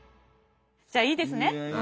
じゃあいいですね？